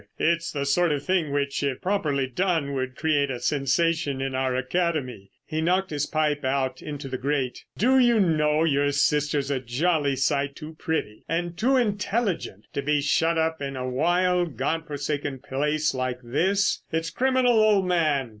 It's the sort of thing which, if properly done, would create a sensation in our Academy." He knocked his pipe out into the grate. "Do you know your sister's a jolly sight too pretty and too intelligent to be shut up in a wild, God forsaken place like this? It's criminal, old man.